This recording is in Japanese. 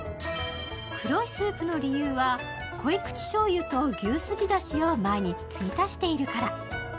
黒いスープの理由は濃口しょうゆと牛すじだしを毎日、継ぎ足しているから。